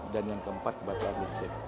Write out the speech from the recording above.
dan yang keempat batu anisip